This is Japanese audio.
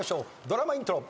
ドラマイントロ。